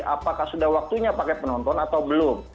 apakah sudah waktunya pakai penonton atau belum